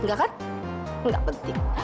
nggak kan nggak penting